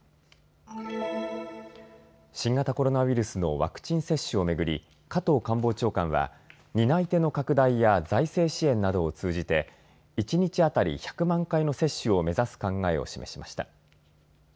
新型コロナウイルスのワクチン接種を巡り、加藤官房長官は担い手の拡大や財政支援などを通じて一日当たり１００万回の接種を目指す考えを示しました。